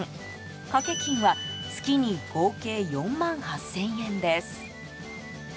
掛け金は月に合計４万８０００円です。